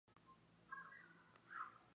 有人怀疑草庵居士的真实身份。